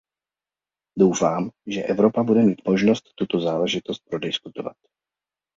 Doufám, že Evropa bude mít možnost tuto záležitost prodiskutovat.